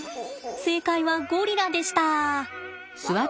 正解はゴリラでした。